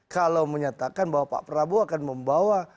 kalau menyatakan bahwa pak prabowo akan membawa